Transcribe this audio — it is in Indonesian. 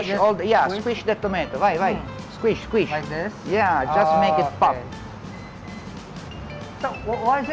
jadi kenapa kamu membuat hal ini